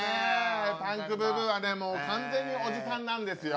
パンクブーブーはねもう完全におじさんなんですよ。